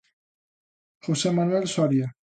José Manuel Soria.